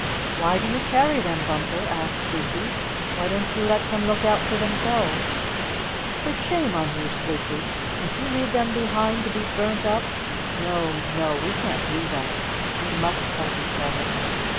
"Why do you carry them, Bumper?" asked Sleepy. "Why don't you let them look out for themselves?" "For shame on you, Sleepy! Would you leave them behind to be burnt up? No, no, we can't do that. We must help each other."